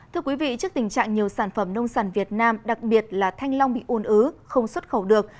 trước tình trạng nhiều sản phẩm nông sản việt nam đặc biệt là thanh long bị ôn ứ không xuất khẩu được